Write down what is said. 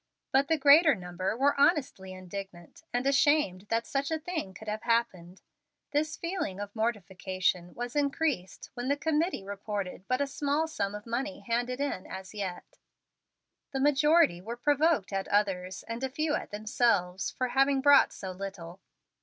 But the greater number were honestly indignant and ashamed that such a thing should have happened. This feeling of mortification was increased when the committee reported but a small sum of money handed in as yet. The majority were provoked at others, and a few at themselves, for having brought so little.